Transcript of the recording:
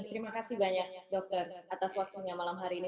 terima kasih banyak dokter atas waktunya malam hari ini